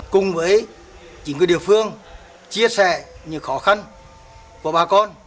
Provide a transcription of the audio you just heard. cùng với chính quyền địa phương chia sẻ những khó khăn của bà con